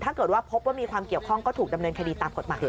ถ้าเกิดว่าพบว่ามีความเกี่ยวข้องก็ถูกดำเนินคดีตามกฎหมาย